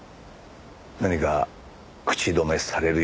何か口止めされるような事が？